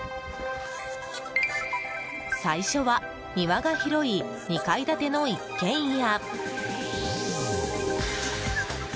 最初は庭が広い２階建ての一軒家。